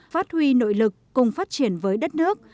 phát huy nội lực cùng phát triển với đất nước